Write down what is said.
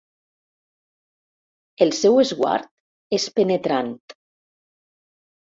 El seu esguard és penetrant.